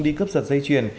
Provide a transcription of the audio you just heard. đi cướp giật dây chuyền